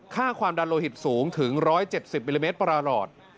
ความดันโลหิตสูงถึง๑๗๐มิลลิเมตรประหลอด